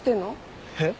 えっ？